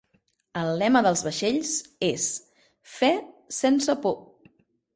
El lema dels vaixells és" Fe sense por".